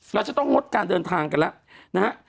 เราจะต้องงดการเดินทางกันแล้วนะฮะ